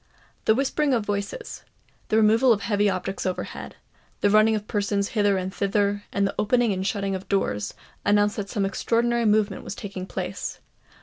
The whispering of voices—the removal of heavy objects overhead—the running of persons hither and thither—and the opening and shutting of doors, announced that some extraordinary movement was taking place.